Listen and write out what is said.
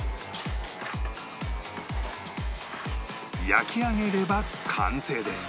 焼き上げれば完成です